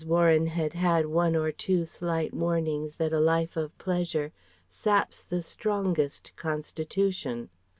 Warren had had one or two slight warnings that a life of pleasure saps the strongest constitution.